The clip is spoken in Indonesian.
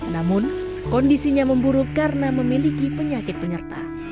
namun kondisinya memburuk karena memiliki penyakit penyerta